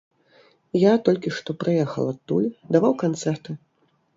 Я толькі што прыехаў адтуль, даваў канцэрты.